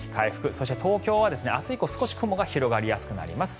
そして、東京は明日以降少し雲が広がりやすくなります。